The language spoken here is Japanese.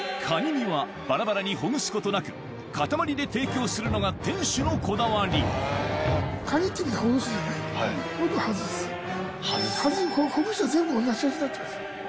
身はバラバラにほぐすことなく塊で提供するのが店主のこだわりほぐすと全部同じ味になっちゃうんですよ。